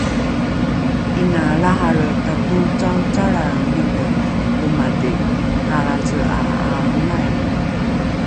'Ina lrahalre tatoocaocalraenine lomadhi alrace 'a aangai?